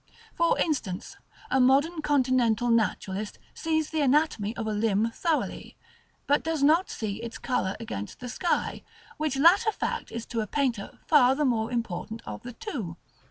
For instance, a modern continental Naturalist sees the anatomy of a limb thoroughly, but does not see its color against the sky, which latter fact is to a painter far the more important of the two.